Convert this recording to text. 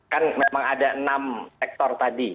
kan memang ada enam sektor tadi